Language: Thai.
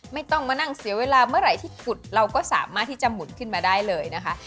ไม่ต้องมานั่งเสียเวลาเมื่อไหร่ที่ขุดเราก็สามารถที่จะหมุนขึ้นมาได้เลยนะคะ